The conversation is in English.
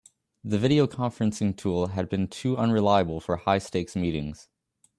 The video conferencing tool had been too unreliable for high-stakes meetings.